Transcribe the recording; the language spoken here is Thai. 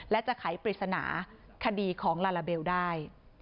และจะไขปริศนาคดีของลาลาเบลได้